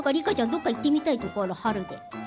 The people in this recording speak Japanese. どこか行ってみたいところある？